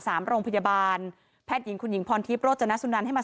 โรงพยาบาลแพทย์หญิงคุณหญิงพรทิพย์โรจนสุนันให้มา